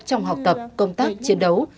trong học tập công tác chiến đấu